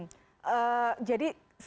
jadi semua ya diputuskan ya